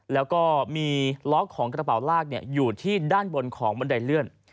แล้วก็มีล็อกของกระเป๋าลากอยู่ที่ด้านบนของบันไดเลื่อน